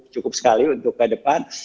cukup sekali untuk ke depan